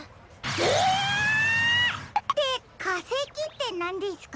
ええっ！ってかせきってなんですか？